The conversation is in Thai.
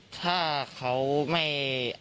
ถ้าเขาไม่